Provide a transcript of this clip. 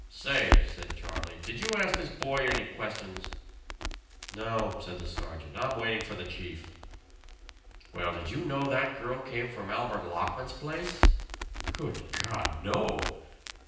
"Say," said Charlie. "Did you ask this boy any questions?" "No," said the sergeant, "I'm waiting for the chief." "Well, did you know that girl came from Albert Lockman's place?" "Good God, no!"